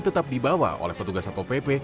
tetap dibawa oleh petugas satpol pp